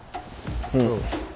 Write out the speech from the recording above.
うん。